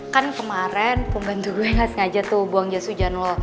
kan kemarin pembantu gue gak sengaja tuh buang jas hujan lo